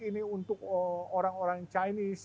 ini untuk orang orang chinese